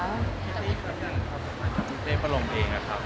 นี่หน้าเทะสัมพันธ์กับพี่เต้ปลงเองค่ะ